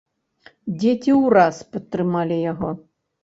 Дзеці ўраз падтрымалі яго.